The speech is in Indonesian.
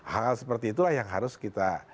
hal hal seperti itulah yang harus kita